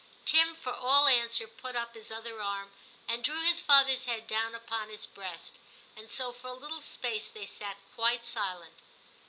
Tim for all answer put up his other arm and drew his fathers head down upon his breast, and so for a little space they sat quite silent.